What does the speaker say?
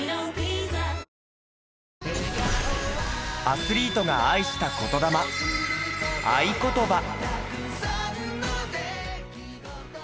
アスリートが愛した言魂『愛ことば』。